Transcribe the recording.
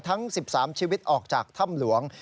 ทั้ง๑๓ชีวิตออกจากถ้ำหลวง